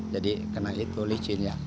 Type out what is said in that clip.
jadi kena itu licin ya